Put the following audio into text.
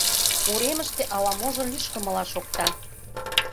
Уремыште ала-можо лӱшкымыла шокта.